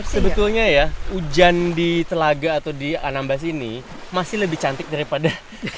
sebetulnya ya hujan di telaga atau di anambas ini masih lebih cantik daripada